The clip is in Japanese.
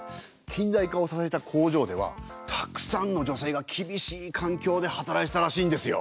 近代化を支えた工場ではたくさんの女性が厳しいかんきょうで働いてたらしいんですよ！